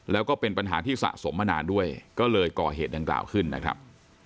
แล้วก็เป็นปัญหาที่สะสมมานานด้วยก็เลยก่อเหตุดังกล่าวขึ้นนะครับ